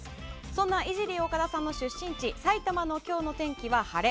そんなイジリー岡田山の出身地埼玉の今日の天気は晴れ。